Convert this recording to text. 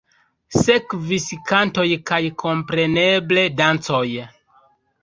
Sekvis kantoj kaj kompreneble dancoj.